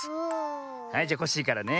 はいじゃコッシーからね。